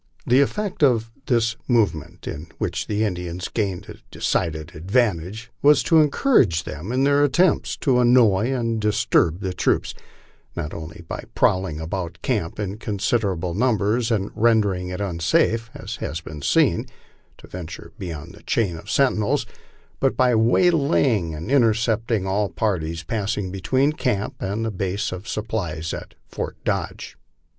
The effect of this movement, in which the Indians gained a decided advantage, was to encourage them in their attempts to annoy and disturb the troops, not only by prowling about camp in consid erable numbers and rendering it unsafe, as has been seen, to venture beyond the chain of sentinels, but by waylaying and intercepting all parties passing be tween camp and the base of supplies at Fort Dodge.